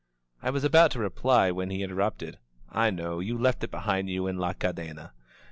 I was about to reply when he interrupted : "I know. You left it behind you in La Cadena.